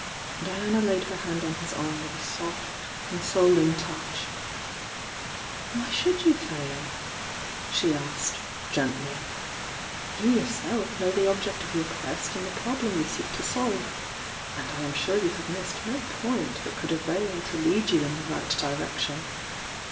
Uiana laid her hand on his arm with a .soft eon soling touch. "Why should you fail?" she asked, gently. "You yourself know the object of vour quest and the prob lem you seek to solve,— and I am sure you have inissed no pi.mt that could avail to lead you in the right direction.